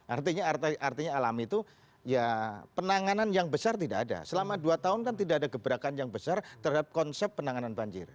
artinya alami itu ya penanganan yang besar tidak ada selama dua tahun kan tidak ada gebrakan yang besar terhadap konsep penanganan banjir